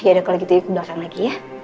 yaudah kalau gitu yuk ke belakang lagi ya